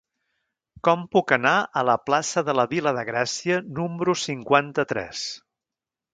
Com puc anar a la plaça de la Vila de Gràcia número cinquanta-tres?